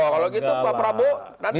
kalau gitu pra praboh nanti